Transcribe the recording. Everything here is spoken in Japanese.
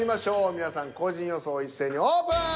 皆さん個人予想一斉にオープン。